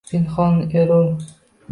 Pinhon erur